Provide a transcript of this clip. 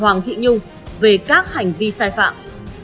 với bà hoàng thị nhung về các hành vi sai phạm